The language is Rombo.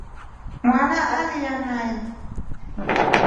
Mwana alya nai.